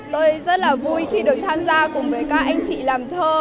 tôi rất là vui khi được tham gia cùng với các anh chị làm thơ